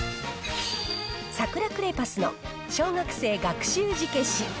サクラクレパスの小学生学習字消し。